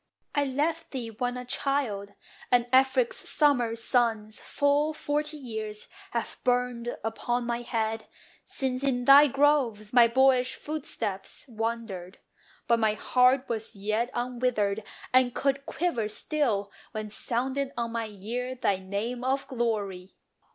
I left thee when a child; And Afric's summer suns full forty years Have burned upon my head, since in thy groves My boyish footsteps wandered. But my heart Was yet unwithered, and could quiver still When sounded on my ear thy name of glory.